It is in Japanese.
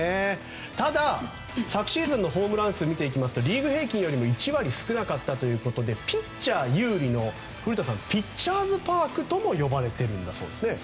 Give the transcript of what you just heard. ただ、昨シーズンのホームラン数見ていきますとリーグ平均よりも１割少なかったということでピッチャー優位のピッチャーズ・パークとも呼ばれているんだそうですね。